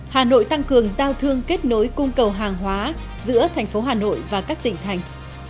hà nội tăng cường giao thương kết nối cung cầu hàng hóa giữa thành phố hà nội và các tỉnh thành